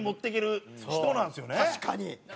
確かに。